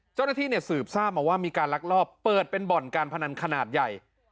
เจ้าหน้าที่สืบทราบมาว่ามีการลักลอบเปิดเป็นบ่อนการพนันขนาดใหญ่